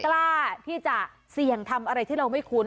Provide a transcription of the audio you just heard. กล้าที่จะเสี่ยงทำอะไรที่เราไม่คุ้น